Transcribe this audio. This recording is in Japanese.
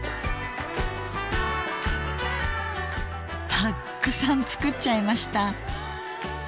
たっくさん作っちゃいました。